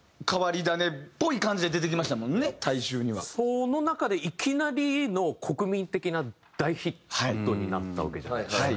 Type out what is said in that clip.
その中でいきなりの国民的な大ヒットになったわけじゃないですか。